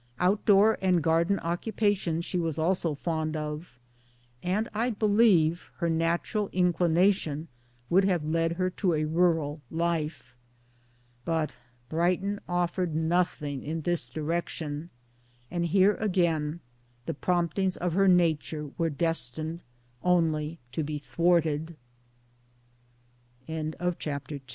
Out door and 1 garden occupations she was also fond of and I believe her natural inclination would have led her to a rural life. But Brighton offered nothing in this direction and here again the promptings of her nature were destined